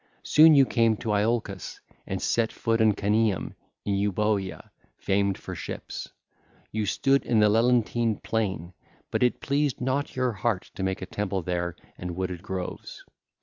Soon you came to Iolcus and set foot on Cenaeum in Euboea, famed for ships: you stood in the Lelantine plain, but it pleased not your heart to make a temple there and wooded groves.